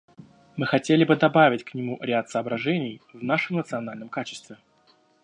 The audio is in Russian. Мы хотели бы добавить к нему ряд соображений в нашем национальном качестве.